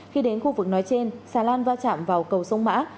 khi đến khu vực nói trên xà lan va chạm vào cầu sông mã